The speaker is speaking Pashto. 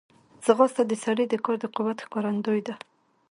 ځغاسته د سړي د کار د قوت ښکارندوی ده